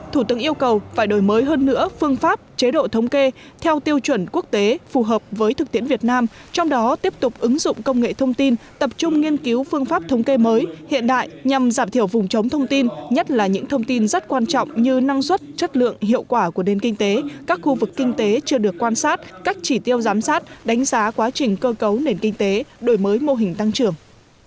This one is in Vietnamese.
thủ tướng yêu cầu phải đổi mới hơn nữa phương pháp chế độ thống kê theo tiêu chuẩn quốc tế phù hợp với thực tiễn việt nam trong đó tiếp tục ứng dụng công nghệ thông tin tập trung nghiên cứu phương pháp thống kê mới hiện đại nhằm giảm thiểu vùng chống thông tin nhất là những thông tin rất quan trọng như năng suất chất lượng hiệu quả của nền kinh tế các khu vực kinh tế chưa được quan sát cách chỉ tiêu giám sát đánh giá quá trình cơ cấu nền kinh tế đổi mới mô hình tăng trưởng